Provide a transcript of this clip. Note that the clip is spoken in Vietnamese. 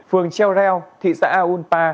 phường treo reo thị xã a un pa